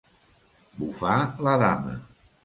Bufar la dama.